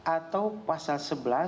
atau pasal sebelas